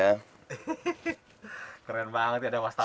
keren banget ya ada wastaf